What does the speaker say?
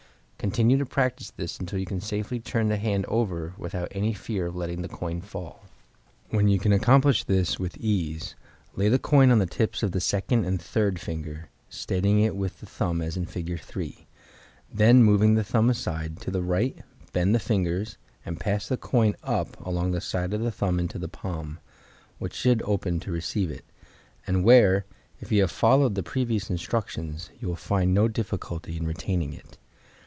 Continue to practice this until you can safely turn the hand over without any fear of letting the coin fall. When you can accomplish this with ease, lay the coin on the tips of the second and third finger, steadying it with the thumb as in Fig.~3. Then moving the thumb aside, to the right, bend the fingers, and pass the coin up along the side of the thumb into the palm, which should open to receive it, and where, if you have followed the previous instructions, you will find no difficulty in retaining it.